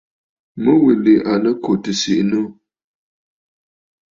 Mu yìli à nɨ kù tɨ̀ sìʼì nû.